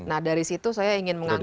nah dari situ saya ingin mengangkat